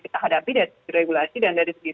kita hadapi dari segi regulasi dan dari segi